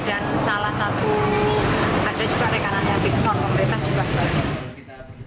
ini ada juga rekanan yang pemerintah juga